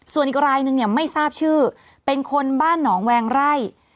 ส่วนอีกรายนึงเนี่ยไม่ทราบชื่อเป็นคนบ้านหนองแวงไร่